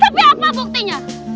tapi apa buktinya